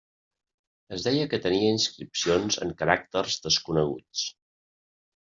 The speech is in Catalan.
Es deia que tenia inscripcions en caràcters desconeguts.